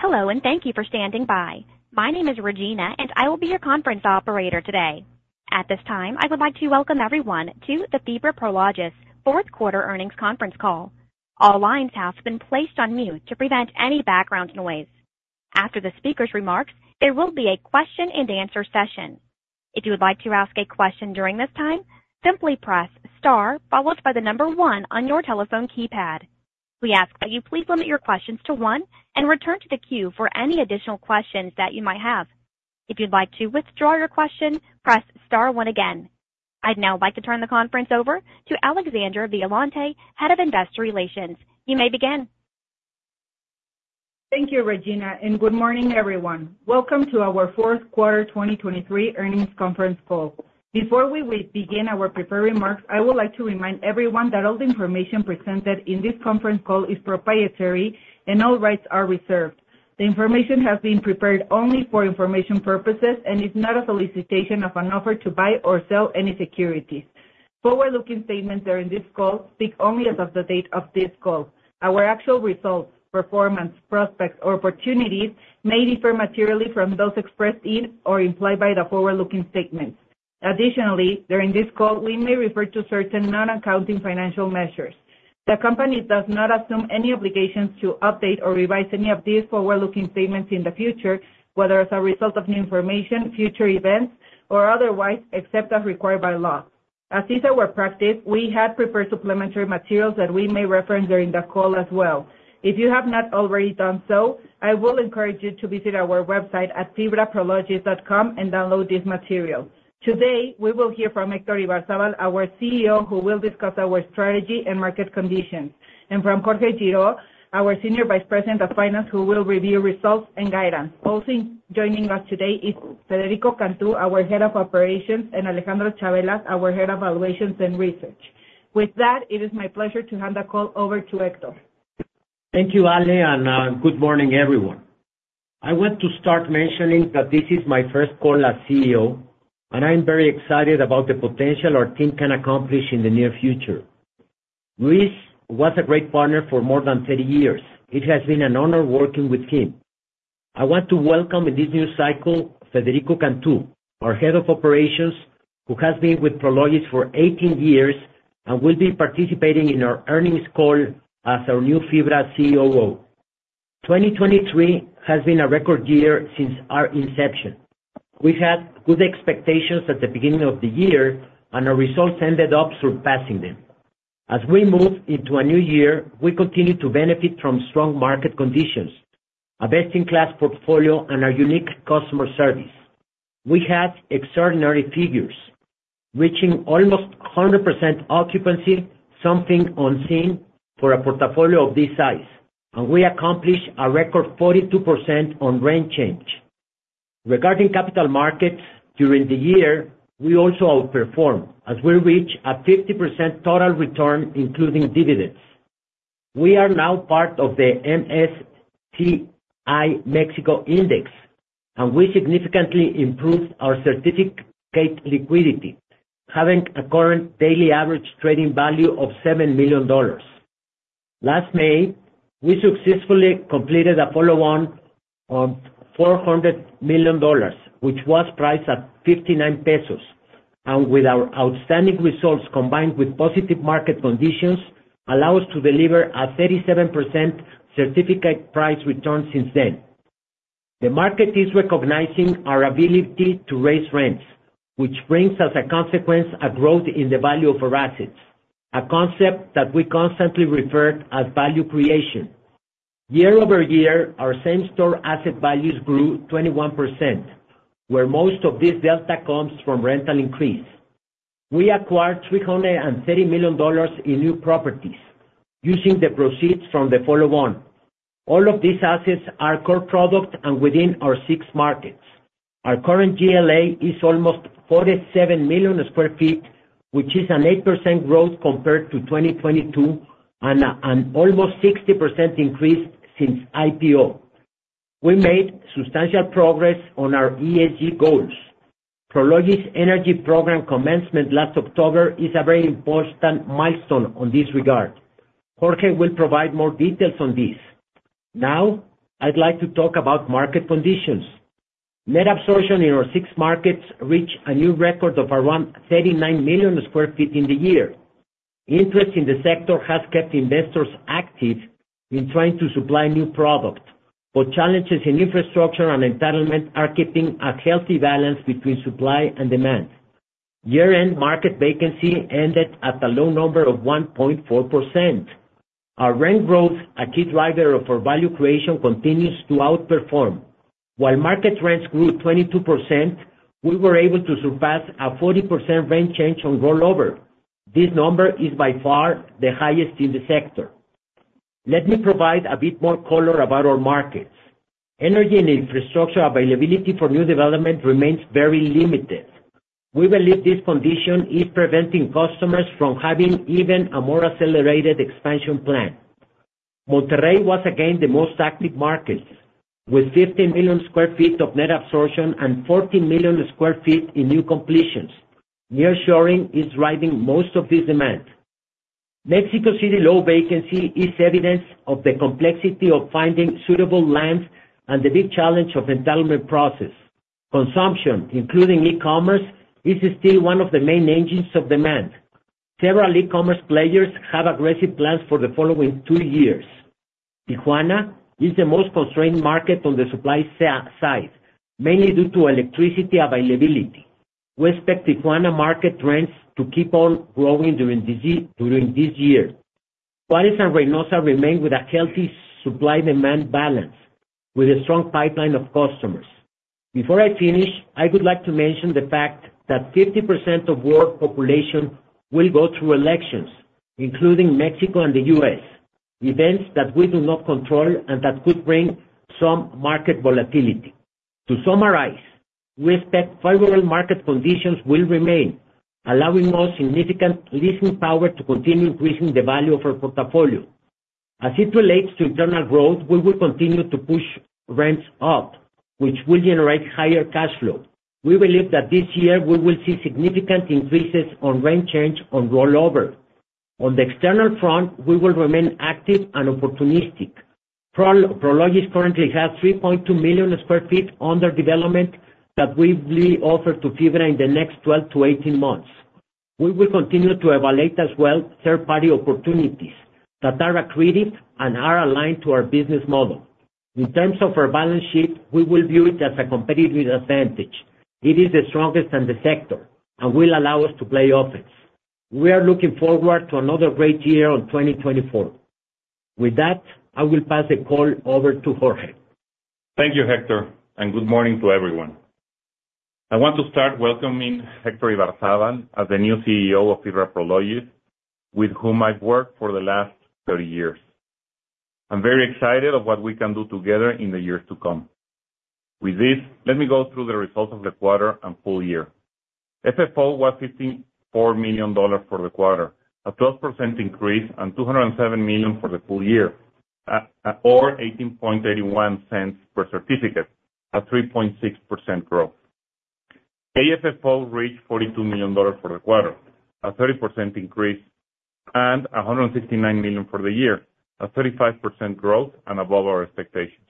Hello and thank you for standing by. My name is Regina and I will be your conference operator today. At this time I would like to welcome everyone to the FIBRA Prologis fourth quarter earnings conference call. All lines have been placed on mute to prevent any background noise. After the speaker's remarks, there will be a question-and-answer session. If you would like to ask a question during this time, simply press star followed by the number one on your telephone keypad. We ask that you please limit your questions to one and return to the queue for any additional questions that you might have. If you'd like to withdraw your question, press star one again. I'd now like to turn the conference over to Alexandra Violante, head of investor relations. You may begin. Thank you, Regina, and good morning, everyone. Welcome to our fourth quarter 2023 earnings conference call. Before we begin our prepared remarks, I would like to remind everyone that all the information presented in this conference call is proprietary and all rights are reserved. The information has been prepared only for information purposes and is not a solicitation of an offer to buy or sell any securities. Forward-looking statements during this call speak only as of the date of this call. Our actual results, performance, prospects, or opportunities may differ materially from those expressed in or implied by the forward-looking statements. Additionally, during this call we may refer to certain non-accounting financial measures. The company does not assume any obligations to update or revise any of these forward-looking statements in the future, whether as a result of new information, future events, or otherwise except as required by law. As is our practice, we had prepared supplementary materials that we may reference during the call as well. If you have not already done so, I will encourage you to visit our website at fibraprologis.com and download this material. Today we will hear from Héctor Ibarzábal, our CEO, who will discuss our strategy and market conditions, and from Jorge Girault, our senior vice president of finance, who will review results and guidance. Also joining us today is Federico Cantú, our head of operations, and Alejandro Chavelas, our head of valuations and research. With that, it is my pleasure to hand the call over to Héctor. Thank you, Ale, and good morning, everyone. I want to start mentioning that this is my first call as CEO and I'm very excited about the potential our team can accomplish in the near future. Luis was a great partner for more than 30 years. It has been an honor working with him. I want to welcome in this new cycle Federico Cantú, our head of operations, who has been with Prologis for 18 years and will be participating in our earnings call as our new FIBRA COO. 2023 has been a record year since our inception. We had good expectations at the beginning of the year and our results ended up surpassing them. As we move into a new year, we continue to benefit from strong market conditions, a best-in-class portfolio, and our unique customer service. We had extraordinary figures, reaching almost 100% occupancy, something unseen for a portfolio of this size, and we accomplished a record 42% rent change. Regarding capital markets, during the year we also outperformed as we reached a 50% total return including dividends. We are now part of the MSCI Mexico Index and we significantly improved our certificate liquidity, having a current daily average trading value of $7 million. Last May, we successfully completed a follow-on of $400 million, which was priced at 59 pesos, and with our outstanding results combined with positive market conditions, allow us to deliver a 37% certificate price return since then. The market is recognizing our ability to raise rents, which brings as a consequence a growth in the value of our assets, a concept that we constantly refer to as value creation. Year over year, our same-store asset values grew 21%, where most of this delta comes from rental increase. We acquired $330 million in new properties using the proceeds from the follow-on. All of these assets are core product and within our six markets. Our current GLA is almost 47 million sq ft, which is an 8% growth compared to 2022 and an almost 60% increase since IPO. We made substantial progress on our ESG goals. Prologis Energy program commencement last October is a very important milestone on this regard. Jorge will provide more details on this. Now, I'd like to talk about market conditions. Net absorption in our six markets reached a new record of around 39 million sq ft in the year. Interest in the sector has kept investors active in trying to supply new products, but challenges in infrastructure and entitlement are keeping a healthy balance between supply and demand. Year-end market vacancy ended at a low number of 1.4%. Our rent growth, a key driver of our value creation, continues to outperform. While market rents grew 22%, we were able to surpass a 40% rent change on rollover. This number is by far the highest in the sector. Let me provide a bit more color about our markets. Energy and infrastructure availability for new development remains very limited. We believe this condition is preventing customers from having even a more accelerated expansion plan. Monterrey was, again, the most active market with 15 million sq ft of net absorption and 14 million sq ft in new completions. Nearshoring is driving most of this demand. Mexico City low vacancy is evidence of the complexity of finding suitable lands and the big challenge of entitlement process. Consumption, including e-commerce, is still one of the main engines of demand. Several e-commerce players have aggressive plans for the following two years. Tijuana is the most constrained market on the supply side, mainly due to electricity availability. We expect Tijuana market trends to keep on growing during this year. Ciudad Juárez and Reynosa remain with a healthy supply-demand balance with a strong pipeline of customers. Before I finish, I would like to mention the fact that 50% of world population will go through elections, including Mexico and the U.S., events that we do not control and that could bring some market volatility. To summarize, we expect favorable market conditions will remain, allowing more significant leasing power to continue increasing the value of our portfolio. As it relates to internal growth, we will continue to push rents up, which will generate higher cash flow. We believe that this year we will see significant increases on rent change on rollover. On the external front, we will remain active and opportunistic. Prologis currently has 3.2 million sq ft under development that we will be offering to FIBRA in the next 12 to 18 months. We will continue to evaluate as well third-party opportunities that are accretive and are aligned to our business model. In terms of our balance sheet, we will view it as a competitive advantage. It is the strongest in the sector and will allow us to play offense. We are looking forward to another great year in 2024. With that, I will pass the call over to Jorge. Thank you, Héctor, and good morning to everyone. I want to start welcoming Héctor Ibarzábal as the new CEO of FIBRA Prologis, with whom I've worked for the last 30 years. I'm very excited about what we can do together in the years to come. With this, let me go through the results of the quarter and full year. FFO was $154 million for the quarter, a 12% increase, and $207 million for the full year, or $0.1881 per certificate, a 3.6% growth. AFFO reached $42 million for the quarter, a 30% increase, and $169 million for the year, a 35% growth and above our expectations.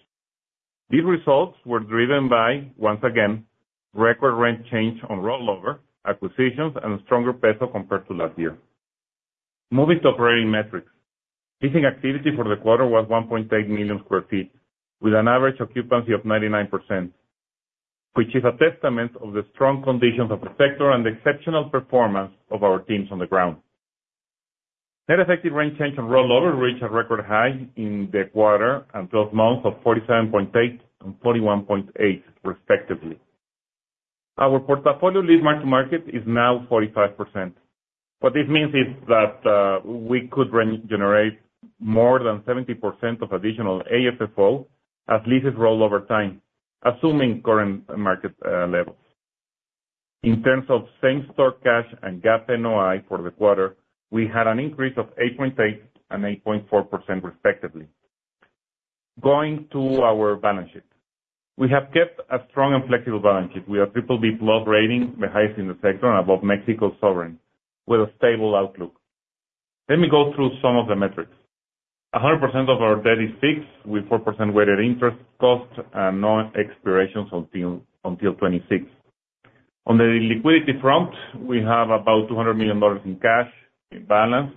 These results were driven by, once again, record rent change on rollover, acquisitions, and a stronger peso compared to last year. Moving to operating metrics, leasing activity for the quarter was 1.8 million sq ft, with an average occupancy of 99%, which is a testament to the strong conditions of the sector and the exceptional performance of our teams on the ground. Net effective rent change on rollover reached a record high in the quarter and 12 months of 47.8% and 41.8%, respectively. Our lease mark-to-market is now 45%. What this means is that we could generate more than 70% of additional AFFO as leases rollover time, assuming current market levels. In terms of same-store cash NOI and GAAP NOI for the quarter, we had an increase of 8.8% and 8.4%, respectively. Going to our balance sheet, we have kept a strong and flexible balance sheet with a BBB+ rating, the highest in the sector and above Mexico's sovereign, with a stable outlook. Let me go through some of the metrics. 100% of our debt is fixed with 4% weighted interest cost, and no expirations until 2026. On the liquidity front, we have about $200 million in cash balance,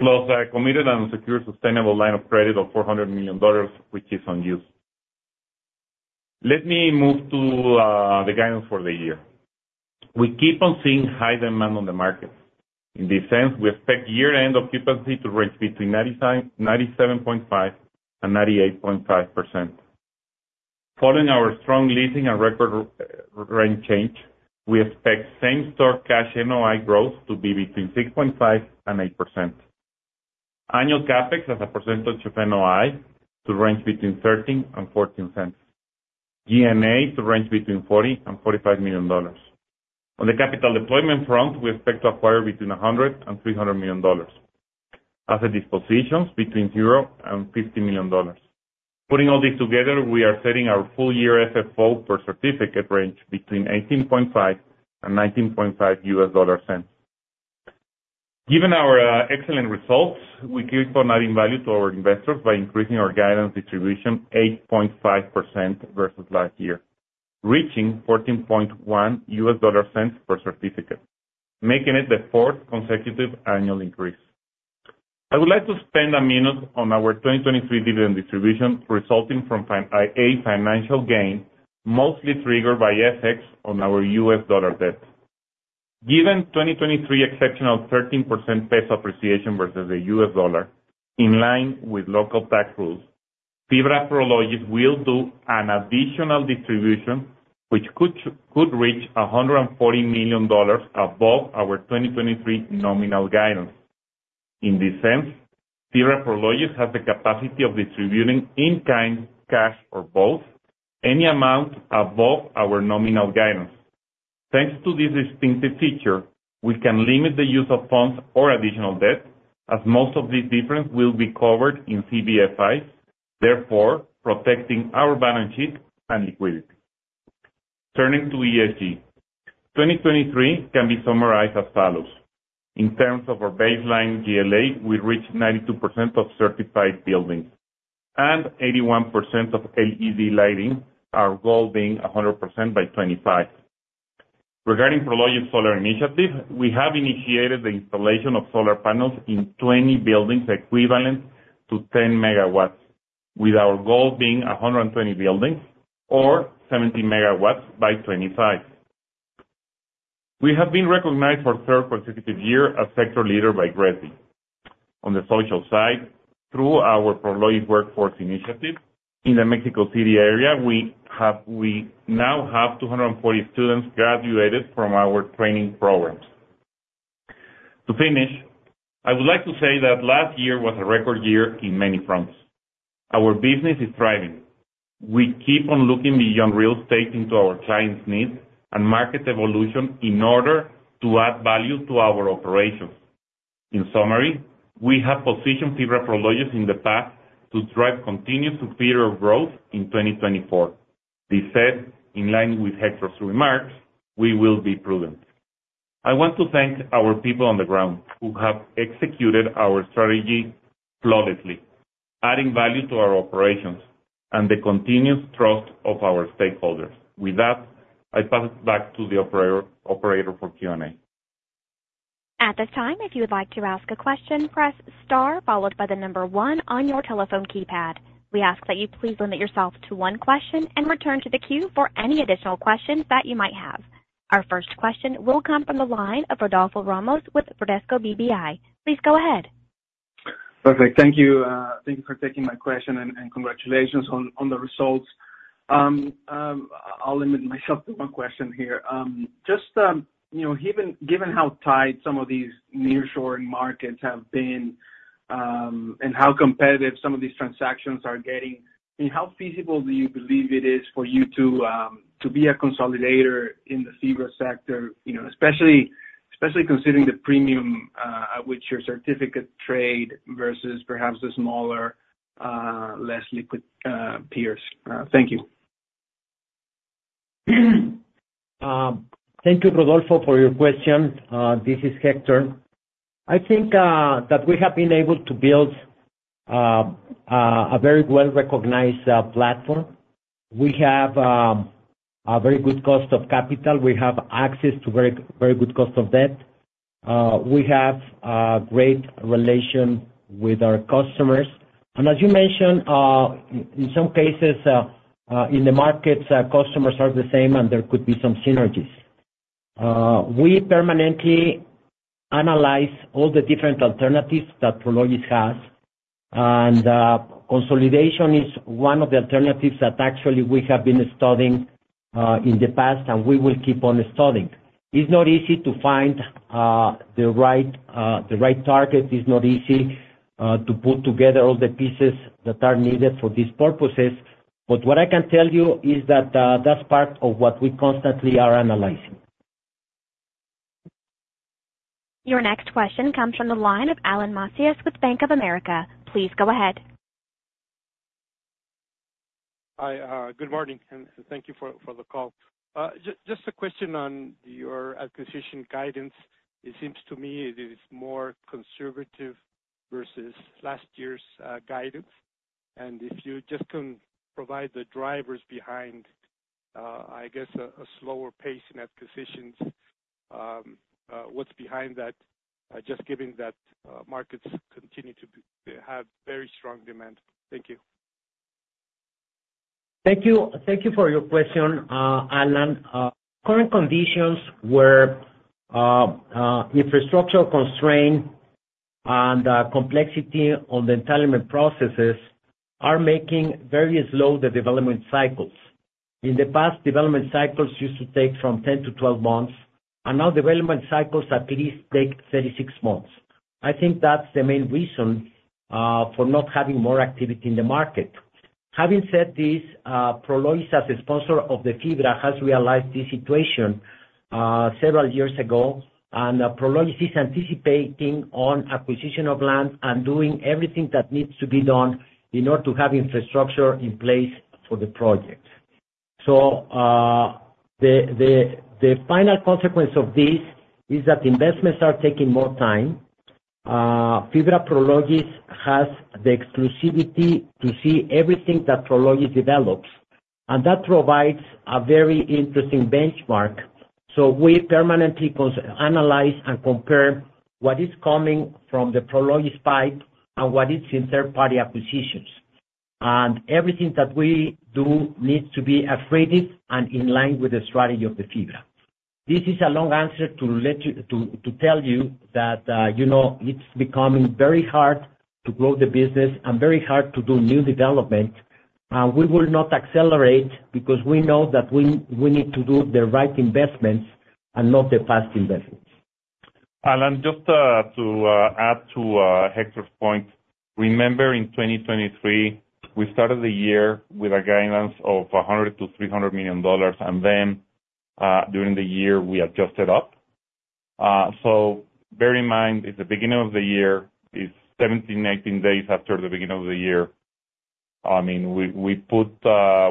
plus a committed and secure sustainable line of credit of $400 million, which is unused. Let me move to the guidance for the year. We keep on seeing high demand on the market. In this sense, we expect year-end occupancy to range between 97.5% and 98.5%. Following our strong leasing and record rent change, we expect same-store cash NOI growth to be between 6.5% and 8%. Annual CapEx as a percentage of NOI to range between 13% and 14%. G&A to range between $40 million and $45 million. On the capital deployment front, we expect to acquire between $100 million and $300 million. Asset dispositions between $0 and $50 million. Putting all this together, we are setting our full-year FFO per certificate range between $0.185-$0.195. Given our excellent results, we keep on adding value to our investors by increasing our guidance distribution 8.5% versus last year, reaching $0.141 per certificate, making it the fourth consecutive annual increase. I would like to spend a minute on our 2023 dividend distribution resulting from a financial gain mostly triggered by effects on our U.S. dollar debt. Given 2023 exceptional 13% peso appreciation versus the U.S. dollar, in line with local tax rules, FIBRA Prologis will do an additional distribution which could reach $140 million above our 2023 nominal guidance. In this sense, FIBRA Prologis has the capacity of distributing in-kind, cash, or both, any amount above our nominal guidance. Thanks to this distinctive feature, we can limit the use of funds or additional debt, as most of this difference will be covered in CBFIs, therefore protecting our balance sheet and liquidity. Turning to ESG, 2023 can be summarized as follows. In terms of our baseline GLA, we reached 92% of certified buildings, and 81% of LED lighting, our goal being 100% by 2025. Regarding Prologis solar initiative, we have initiated the installation of solar panels in 20 buildings equivalent to 10 megawatts, with our goal being 120 buildings or 70 megawatts by 2025. We have been recognized for the third consecutive year as sector leader by GRESB. On the social side, through our Prologis Workforce Initiative, in the Mexico City area, we now have 240 students graduated from our training programs. To finish, I would like to say that last year was a record year in many fronts. Our business is thriving. We keep on looking beyond real estate into our clients' needs and market evolution in order to add value to our operations. In summary, we have positioned FIBRA Prologis in the past to drive continued superior growth in 2024. This said, in line with Héctor's remarks, we will be prudent. I want to thank our people on the ground who have executed our strategy flawlessly, adding value to our operations and the continued trust of our stakeholders. With that, I pass it back to the operator for Q&A. At this time, if you would like to ask a question, press star followed by the number one on your telephone keypad. We ask that you please limit yourself to one question and return to the queue for any additional questions that you might have. Our first question will come from the line of Rodolfo Ramos with Bradesco BBI. Please go ahead. Perfect. Thank you for taking my question and congratulations on the results. I'll limit myself to one question here. Just given how tied some of these nearshoring markets have been and how competitive some of these transactions are getting, how feasible do you believe it is for you to be a consolidator in the FIBRA sector, especially considering the premium at which your certificate trade versus perhaps the smaller, less liquid peers? Thank you. Thank you, Rodolfo, for your question. This is Héctor. I think that we have been able to build a very well-recognized platform. We have a very good cost of capital. We have access to very good cost of debt. We have a great relation with our customers. And as you mentioned, in some cases, in the markets, customers are the same and there could be some synergies. We permanently analyze all the different alternatives that Prologis has, and consolidation is one of the alternatives that actually we have been studying in the past and we will keep on studying. It's not easy to find the right target. It's not easy to put together all the pieces that are needed for these purposes. But what I can tell you is that that's part of what we constantly are analyzing. Your next question comes from the line of Alan Macías with Bank of America. Please go ahead. Hi. Good morning and thank you for the call. Just a question on your acquisition guidance. It seems to me it is more conservative versus last year's guidance. If you just can provide the drivers behind, I guess, a slower pace in acquisitions, what's behind that, just given that markets continue to have very strong demand. Thank you. Thank you for your question, Alan. Current conditions where infrastructure constraint and complexity on the entitlement processes are making very slow the development cycles. In the past, development cycles used to take from 10-12 months, and now development cycles at least take 36 months. I think that's the main reason for not having more activity in the market. Having said this, Prologis, as a sponsor of the FIBRA, has realized this situation several years ago, and Prologis is anticipating on acquisition of land and doing everything that needs to be done in order to have infrastructure in place for the project. So the final consequence of this is that investments are taking more time. FIBRA Prologis has the exclusivity to see everything that Prologis develops, and that provides a very interesting benchmark. So we permanently analyze and compare what is coming from the Prologis pipe and what is in third-party acquisitions. And everything that we do needs to be accretive and in line with the strategy of the FIBRA. This is a long answer to tell you that it's becoming very hard to grow the business and very hard to do new development. And we will not accelerate because we know that we need to do the right investments and not the past investments. Alan, just to add to Héctor's point, remember in 2023, we started the year with a guidance of $100 million-$300 million, and then during the year, we adjusted up. So bear in mind, it's the beginning of the year. It's 17, 18 days after the beginning of the year. I mean, we put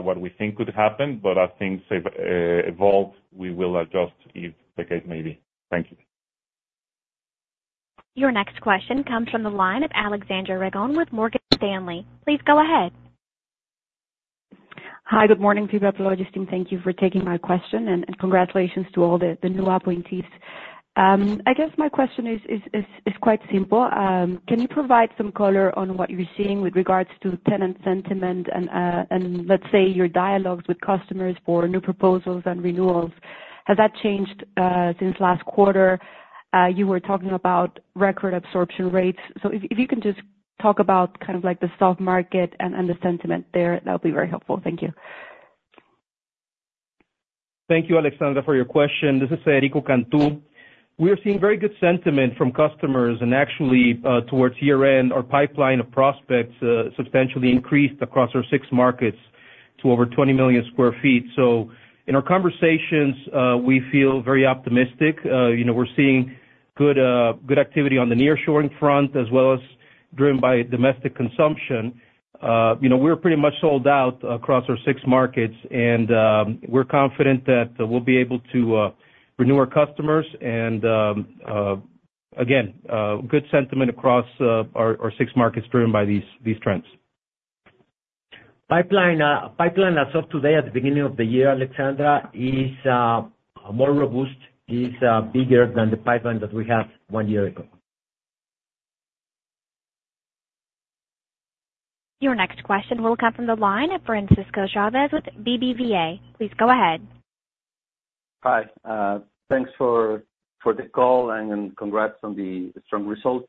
what we think could happen, but as things evolve, we will adjust if the case may be. Thank you. Your next question comes from the line of Alejandra Obregón with Morgan Stanley. Please go ahead. Hi. Good morning, FIBRA Prologis team. Thank you for taking my question, and congratulations to all the new appointees. I guess my question is quite simple. Can you provide some color on what you're seeing with regards to tenant sentiment and, let's say, your dialogues with customers for new proposals and renewals? Has that changed since last quarter? You were talking about record absorption rates. So if you can just talk about kind of the soft market and the sentiment there, that would be very helpful. Thank you. Thank you, Alexandra, for your question. This is Federico Cantú. We are seeing very good sentiment from customers, and actually, towards year-end, our pipeline of prospects substantially increased across our six markets to over 20 million sq ft. So in our conversations, we feel very optimistic. We're seeing good activity on the nearshoring front as well as driven by domestic consumption. We're pretty much sold out across our six markets, and we're confident that we'll be able to renew our customers. And again, good sentiment across our six markets driven by these trends. Pipeline as of today, at the beginning of the year, Alexandra, is more robust. It's bigger than the pipeline that we had one year ago. Your next question will come from the line of Francisco Chávez with BBVA. Please go ahead. Hi. Thanks for the call and congrats on the strong results.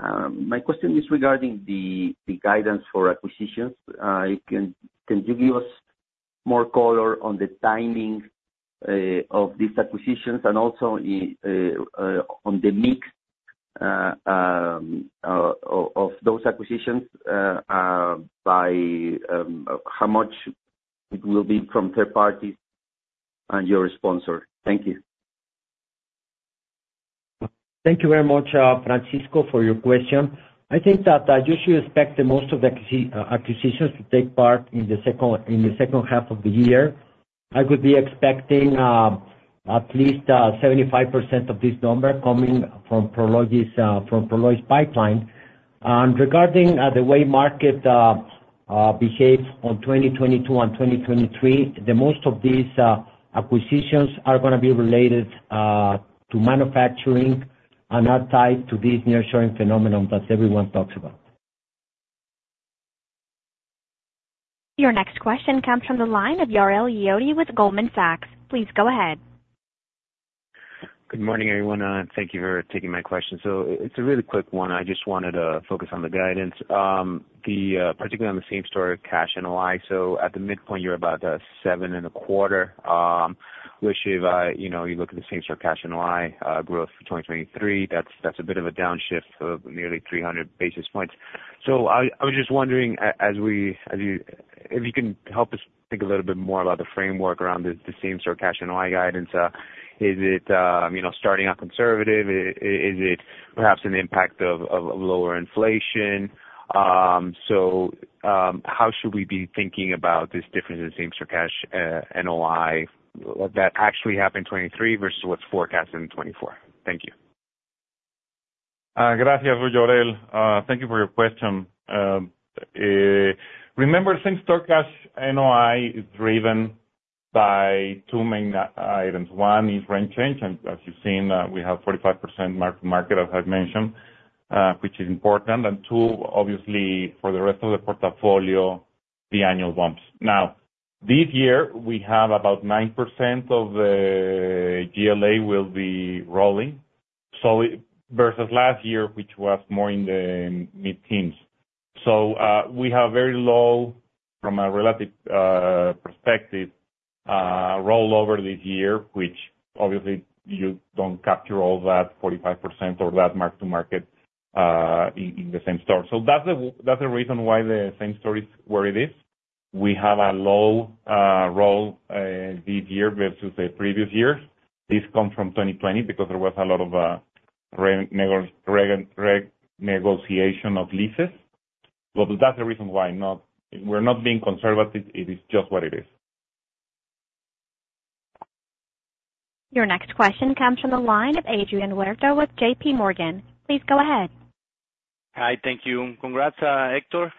My question is regarding the guidance for acquisitions. Can you give us more color on the timing of these acquisitions and also on the mix of those acquisitions by how much it will be from third parties and your sponsor? Thank you. Thank you very much, Francisco, for your question. I think that you should expect most of the acquisitions to take part in the second half of the year. I could be expecting at least 75% of this number coming from Prologis pipeline. Regarding the way market behaves on 2022 and 2023, most of these acquisitions are going to be related to manufacturing and are tied to this nearshoring phenomenon that everyone talks about. Your next question comes from the line of Jorel Guilloty with Goldman Sachs. Please go ahead. Good morning, everyone. Thank you for taking my question. So it's a really quick one. I just wanted to focus on the guidance, particularly on the same-store cash NOI. So at the midpoint, you're about 7.25%. Which if you look at the same-store cash NOI growth for 2023, that's a bit of a downshift of nearly 300 basis points. So I was just wondering if you can help us think a little bit more about the framework around the same-store cash NOI guidance. Is it starting out conservative? Is it perhaps an impact of lower inflation? So how should we be thinking about this difference in same-store cash NOI that actually happened 2023 versus what's forecast in 2024? Thank you. Gracias, Jorel. Thank you for your question. Remember, same-store cash NOI is driven by two main items. One is rent change. And as you've seen, we have 45% mark-to-market, as I've mentioned, which is important. And two, obviously, for the rest of the portfolio, the annual bumps. Now, this year, we have about 9% of the GLA will be rolling versus last year, which was more in the mid-teens. So we have a very low, from a relative perspective, rollover this year, which obviously, you don't capture all that 45% or that mark-to-market in the same store. So that's the reason why the same store is where it is. We have a low roll this year versus the previous years. This comes from 2020 because there was a lot of renegotiation of leases. But that's the reason why we're not being conservative. It is just what it is. Your next question comes from the line of Adrian Huerta with JPMorgan. Please go ahead. Hi. Thank you. Congrats, Héctor.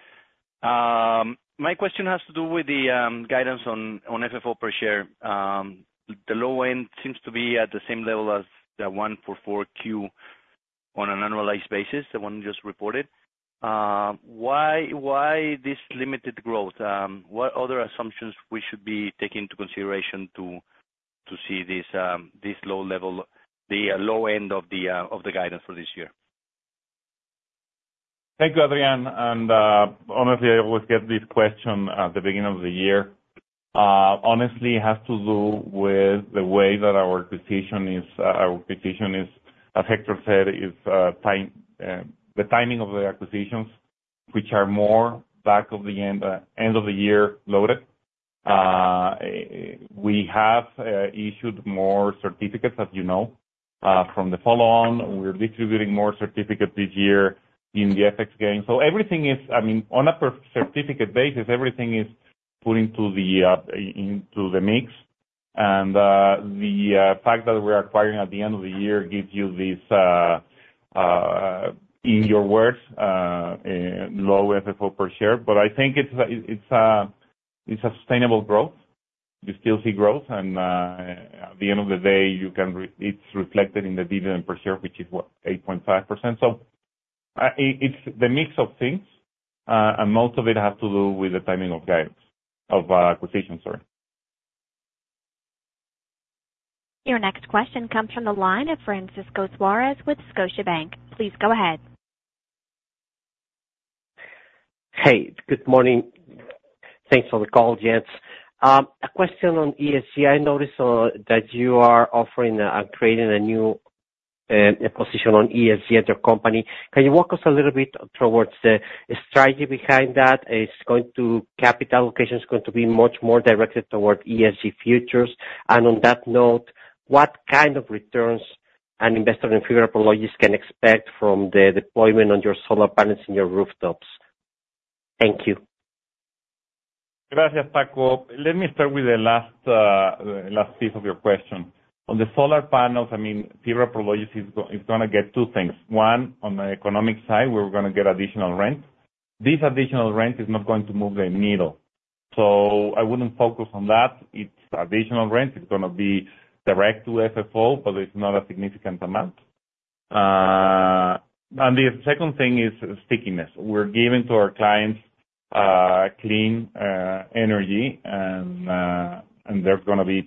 My question has to do with the guidance on FFO per share. The low end seems to be at the same level as the 1Q 2024 on an annualized basis, the one just reported. Why this limited growth? What other assumptions should we be taking into consideration to see this low level, the low end of the guidance for this year? Thank you, Adrian. And honestly, I always get this question at the beginning of the year. Honestly, it has to do with the way that our acquisition is as Héctor said, the timing of the acquisitions, which are more back of the end of the year loaded. We have issued more certificates, as you know. From the follow-on, we're distributing more certificates this year in the FX gain. So everything is I mean, on a certificate basis, everything is put into the mix. And the fact that we're acquiring at the end of the year gives you this, in your words, low FFO per share. But I think it's a sustainable growth. You still see growth. And at the end of the day, it's reflected in the dividend per share, which is 8.5%. So it's the mix of things, and most of it has to do with the timing of acquisition, sorry. Your next question comes from the line of Francisco Suárez with Scotiabank. Please go ahead. Hey. Good morning. Thanks for the call, Gents. A question on ESG. I noticed that you are offering and creating a new acquisition on ESG at your company. Can you walk us a little bit towards the strategy behind that? It's going to capital allocation is going to be much more directed toward ESG futures. And on that note, what kind of returns an investor in FIBRA Prologis can expect from the deployment on your solar panels in your rooftops? Thank you. Gracias, Paco. Let me start with the last piece of your question. On the solar panels, I mean, FIBRA Prologis is going to get two things. One, on the economic side, we're going to get additional rent. This additional rent is not going to move the needle. So I wouldn't focus on that. It's additional rent. It's going to be direct to FFO, but it's not a significant amount. And the second thing is stickiness. We're giving to our clients clean energy, and there's going to be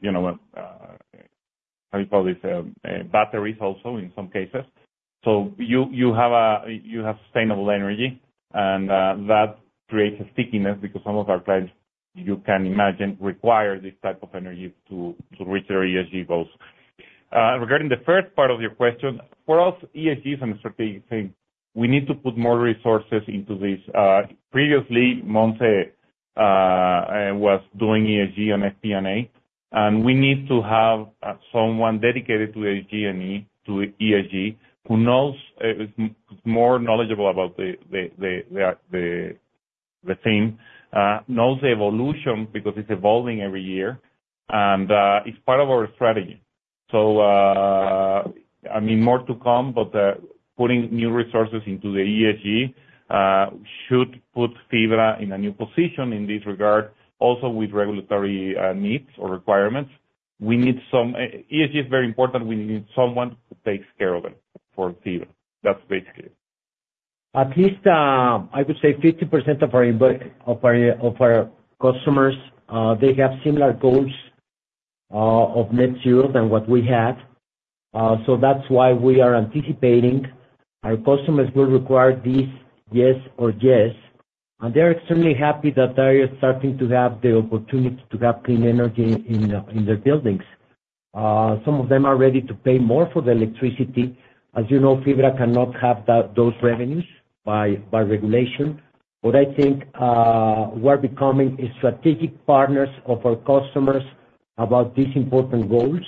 how do you call this? Batteries also in some cases. So you have sustainable energy, and that creates a stickiness because some of our clients, you can imagine, require this type of energy to reach their ESG goals. Regarding the first part of your question, for us, ESG is a strategic thing. We need to put more resources into this. Previously, Montse was doing ESG on FP&A, and we need to have someone dedicated to ESG who knows is more knowledgeable about the theme, knows the evolution because it's evolving every year, and it's part of our strategy. So I mean, more to come, but putting new resources into the ESG should put FIBRA in a new position in this regard, also with regulatory needs or requirements. ESG is very important. We need someone who takes care of it for FIBRA. That's basically it. At least, I would say 50% of our customers, they have similar goals of net zero than what we had. So that's why we are anticipating our customers will require this yes or yes. They're extremely happy that they're starting to have the opportunity to have clean energy in their buildings. Some of them are ready to pay more for the electricity. As you know, FIBRA cannot have those revenues by regulation. But I think we're becoming strategic partners of our customers about these important goals.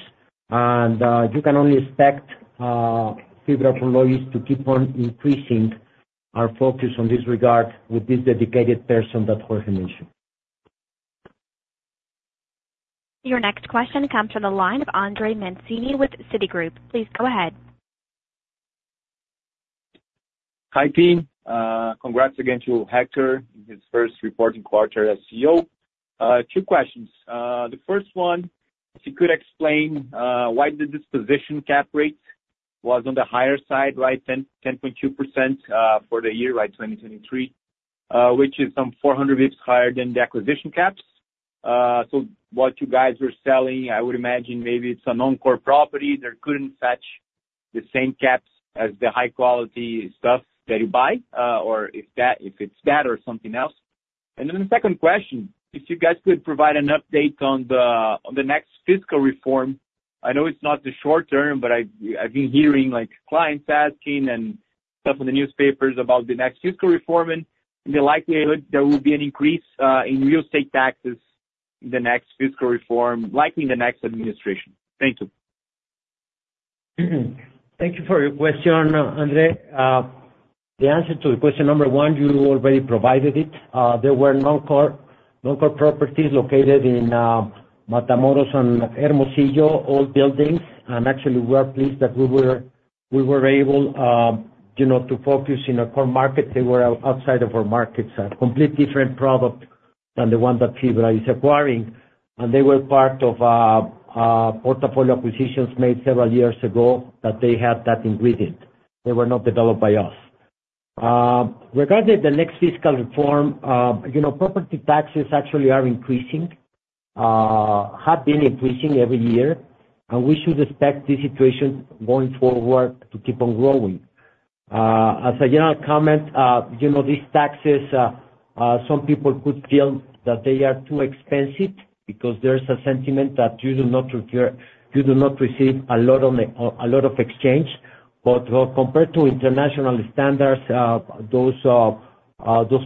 You can only expect FIBRA Prologis to keep on increasing our focus on this regard with this dedicated person that Jorge mentioned. Your next question comes from the line of André Mazini with Citigroup. Please go ahead. Hi, team. Congrats again to Héctor in his first reporting quarter as CEO. two questions. The first one, if you could explain why the disposition cap rate was on the higher side, right? 10.2% for the year, right? 2023, which is some 400 bps higher than the acquisition caps. So what you guys were selling, I would imagine maybe it's a non-core property. They couldn't fetch the same caps as the high-quality stuff that you buy, or if it's that or something else. And then the second question, if you guys could provide an update on the next fiscal reform. I know it's not the short term, but I've been hearing clients asking and stuff in the newspapers about the next fiscal reform and the likelihood there will be an increase in real estate taxes in the next fiscal reform, likely in the next administration. Thank you. Thank you for your question, André. The answer to the question number one, you already provided it. There were non-core properties located in Matamoros and Hermosillo, old buildings. And actually, we are pleased that we were able to focus in a core market. They were outside of our markets, a completely different product than the one that FIBRA is acquiring. And they were part of a portfolio acquisitions made several years ago that they had that ingredient. They were not developed by us. Regarding the next fiscal reform, property taxes actually are increasing, have been increasing every year. And we should expect this situation going forward to keep on growing. As a general comment, these taxes, some people could feel that they are too expensive because there's a sentiment that you do not receive a lot of exchange. But compared to international standards, those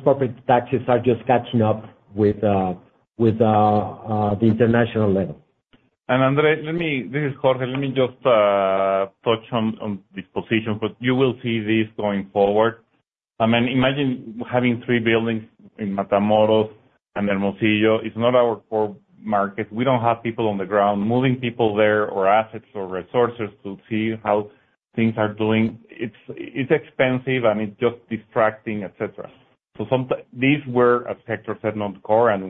property taxes are just catching up with the international level. André, this is Jorge. Let me just touch on disposition, but you will see this going forward. I mean, imagine having three buildings in Matamoros and Hermosillo. It's not our core market. We don't have people on the ground, moving people there or assets or resources to see how things are doing. It's expensive, and it's just distracting, etc. So these were, as Héctor said, non-core, and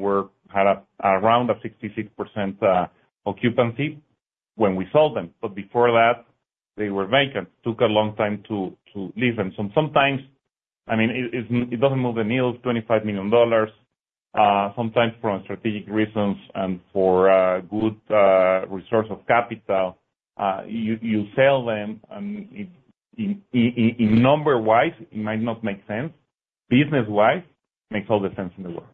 had around a 66% occupancy when we sold them. But before that, they were vacant. Took a long time to leave them. So sometimes, I mean, it doesn't move the needle, $25 million. Sometimes for strategic reasons and for good resource of capital, you sell them. And number-wise, it might not make sense. Business-wise, it makes all the sense in the world.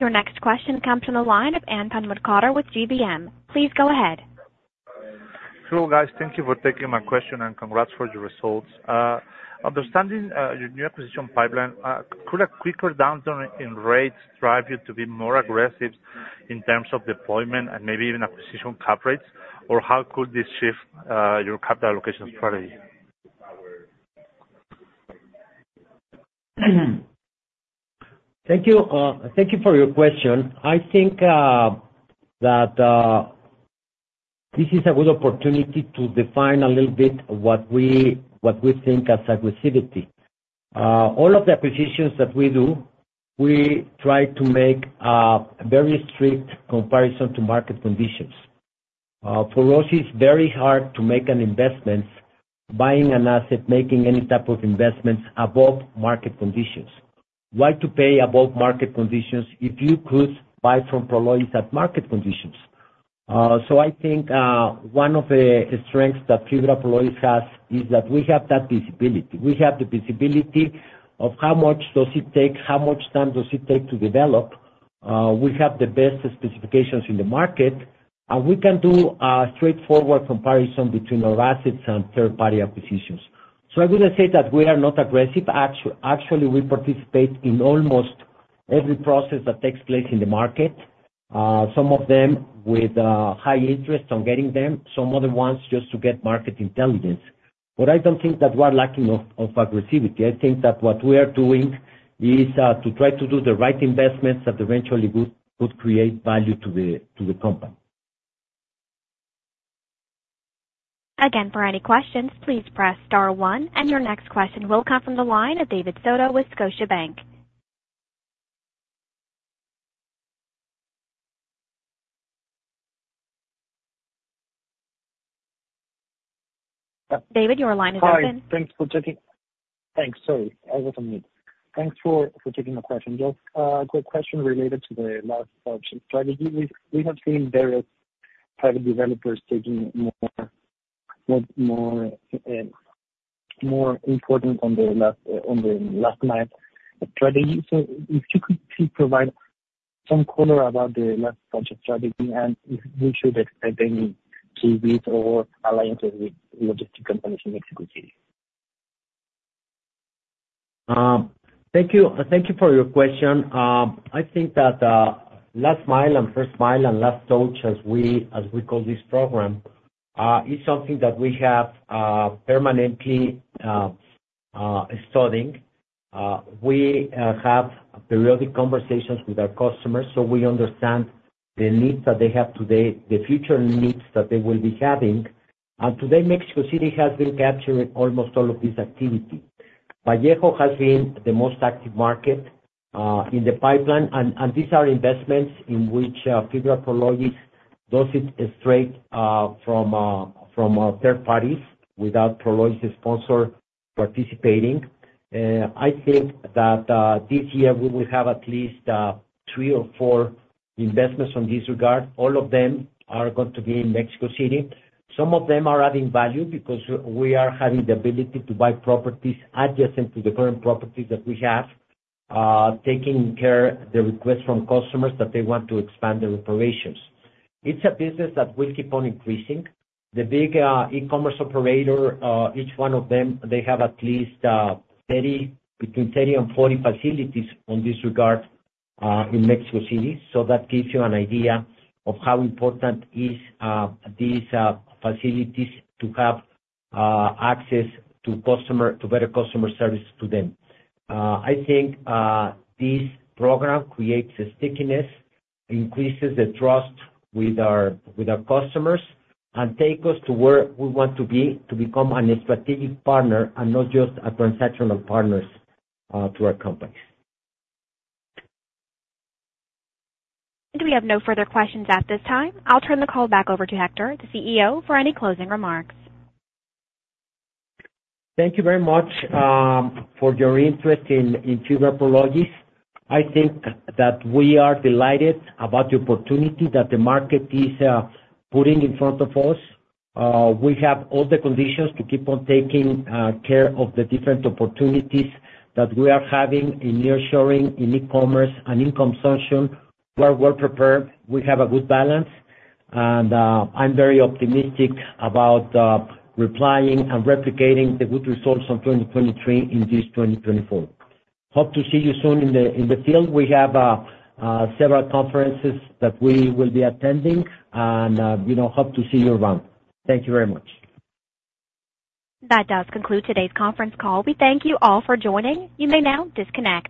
Your next question comes from the line of Anton Mortenkotter with GBM. Please go ahead. Hello, guys. Thank you for taking my question, and congrats for your results. Understanding your new acquisition pipeline, could a quicker downturn in rates drive you to be more aggressive in terms of deployment and maybe even acquisition cap rates? Or how could this shift your capital allocation strategy? Thank you for your question. I think that this is a good opportunity to define a little bit what we think as aggressivity. All of the acquisitions that we do, we try to make a very strict comparison to market conditions. For us, it's very hard to make an investment, buying an asset, making any type of investments above market conditions. Why to pay above market conditions if you could buy from Prologis at market conditions? So I think one of the strengths that FIBRA Prologis has is that we have that visibility. We have the visibility of how much does it take? How much time does it take to develop? We have the best specifications in the market, and we can do a straightforward comparison between our assets and third-party acquisitions. So I wouldn't say that we are not aggressive. Actually, we participate in almost every process that takes place in the market, some of them with high interest on getting them, some other ones just to get market intelligence. But I don't think that we are lacking of aggressivity. I think that what we are doing is to try to do the right investments that eventually could create value to the company. Again, for any questions, please press star one. And your next question will come from the line of David Soto with Scotiabank. David, your line is open. Hi. Thanks for checking. Thanks. Sorry. I was on mute. Thanks for taking my question. Just a quick question related to the last-mile strategy. We have seen various private developers taking more importance on the last-mile strategy. So if you could please provide some color about the last-mile strategy and if we should expect any key leads or alliances with logistics companies in Mexico City? Thank you for your question. I think that last mile and first mile and Last Touch, as we call this program, is something that we have permanently studying. We have periodic conversations with our customers, so we understand the needs that they have today, the future needs that they will be having. And today, Mexico City has been capturing almost all of this activity. Vallejo has been the most active market in the pipeline, and these are investments in which FIBRA Prologis does it straight from third parties without Prologis' sponsor participating. I think that this year, we will have at least three or four investments on this regard. All of them are going to be in Mexico City. Some of them are adding value because we are having the ability to buy properties adjacent to the current properties that we have, taking care of the requests from customers that they want to expand their operations. It's a business that will keep on increasing. The big e-commerce operator, each one of them, they have at least between 30 and 40 facilities on this regard in Mexico City. So that gives you an idea of how important these facilities are to have access to better customer service to them. I think this program creates a stickiness, increases the trust with our customers, and takes us to where we want to be, to become a strategic partner and not just a transactional partner to our companies. We have no further questions at this time. I'll turn the call back over to Héctor, the CEO, for any closing remarks. Thank you very much for your interest in FIBRA Prologis. I think that we are delighted about the opportunity that the market is putting in front of us. We have all the conditions to keep on taking care of the different opportunities that we are having in nearshoring, in e-commerce, and in consumption. We are well prepared. We have a good balance. I'm very optimistic about replying and replicating the good results of 2023 in this 2024. Hope to see you soon in the field. We have several conferences that we will be attending, and hope to see you around. Thank you very much. That does conclude today's conference call. We thank you all for joining. You may now disconnect.